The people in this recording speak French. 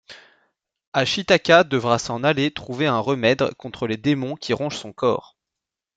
Ashitaka devra s'en aller trouver un remède contre les démons qui rongent son corps.